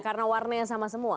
karena warnanya sama semua